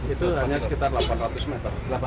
itu hanya sekitar delapan ratus meter